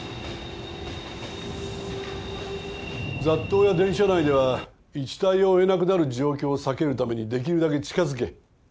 雑踏や電車内では１対を追えなくなる状況を避けるためにできるだけ近づけ。